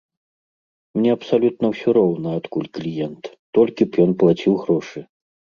Мне абсалютна ўсё роўна, адкуль кліент, толькі б ён плаціў грошы.